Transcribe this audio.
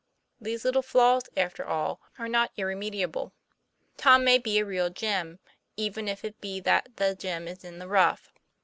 These little flaws, after all, are not irremediable. Tom may be a real gem even if it be that the gem is in the rough.